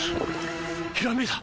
ひらめいた！